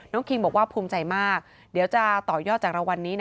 คิงบอกว่าภูมิใจมากเดี๋ยวจะต่อยอดจากรางวัลนี้นะ